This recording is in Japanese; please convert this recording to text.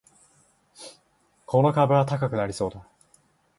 この株は高くなりそうだ